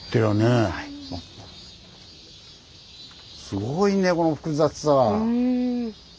すごいねこの複雑さは。